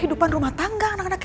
bisa untuk rezeki